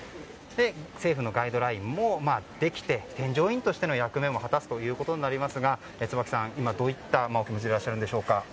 政府のガイドラインもできて添乗員としての役目も果たすことになりますが、椿さんどういったお気持ちでしょうか。